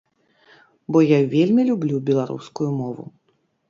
Бо я вельмі люблю беларускую мову.